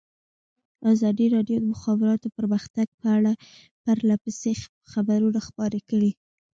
ازادي راډیو د د مخابراتو پرمختګ په اړه پرله پسې خبرونه خپاره کړي.